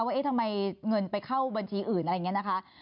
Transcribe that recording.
ว่าเอ๊ะทำไมเงินไปเข้าบัญชีอื่นอะไรอย่างนี้นะคะ